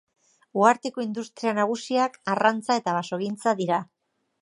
Uharteko industria nagusiak arrantza eta basogintza dira.